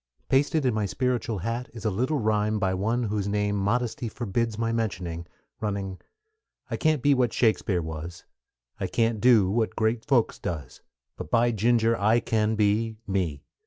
Pasted in my spiritual hat is a little rime by one whose name modesty forbids my mentioning, running: I can't be what Shakespeare was, I can't do what great folks does; But, by Ginger, I can be ME!